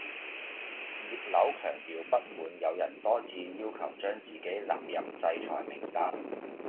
葉劉強調不滿有人多次要求將自己納入制裁名單